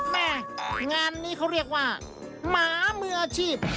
แม่งานนี้เขาเรียกว่าหมามืออาชีพ